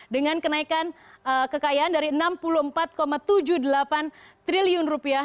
dengan kenaikan kekayaan dari enam puluh empat tujuh puluh delapan triliun rupiah